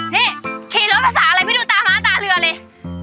นี่ขี่รถภาษาอะไรไม่ดูตาม้าตาเรือเลย